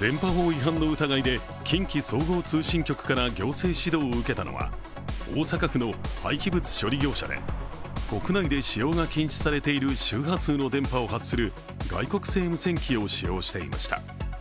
電波法違反の疑いで近畿総合通信局から行政指導を受けたのは大阪府の廃棄物処理業者で、国内で使用が禁止されている周波数の電波を発する外国製無線機を使用していました。